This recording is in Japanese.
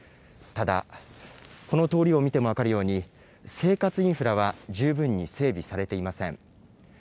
ただ、この通りを見ても分かるように、生活インフラは十分に整備されていません。